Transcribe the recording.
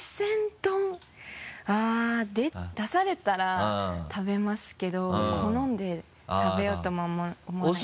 あっ出されたら食べますけど好んで食べようとも思わない。